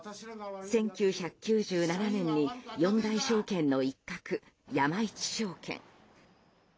１９９７年に四大証券の一角山一証券。